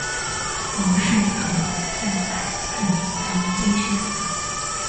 模式种采样自台湾龟山岛。